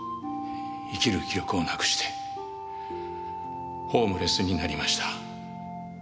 生きる気力をなくしてホームレスになりました。